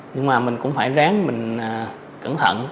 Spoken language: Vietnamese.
nhưng mà mình cũng phải ráng mình cẩn thận